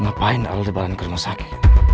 ngapain aldeban kermosaki